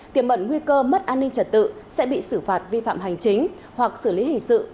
tiềm mẩn nguy cơ mất an ninh trật tự sẽ bị xử phạt vi phạm hành chính hoặc xử lý hình sự